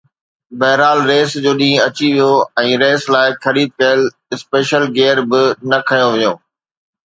بهرحال ريس جو ڏينهن اچي ويو ۽ ريس لاءِ خريد ڪيل اسپيشل گيئر به نه کنيو ويو.